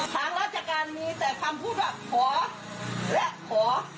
ทางราชการมีแต่คำพูดว่าขอและขอ